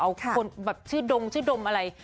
เอาคนแบบชื่อดงชื่อดมอะไร